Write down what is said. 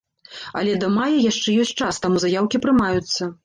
Але да мая яшчэ ёсць час, таму заяўкі прымаюцца.